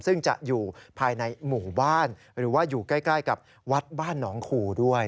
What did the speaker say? ซึ่งจะอยู่ภายในหมู่บ้านหรือว่าอยู่ใกล้กับวัดบ้านหนองขู่ด้วย